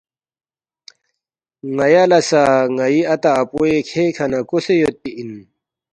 ن٘یا لہ سہ ن٘ئی اتا اپوے کھے کھہ نہ کوسے یودپی اِن